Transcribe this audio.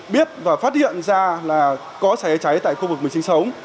biết và phát hiện ra là có cháy cháy tại khu vực mình sinh sống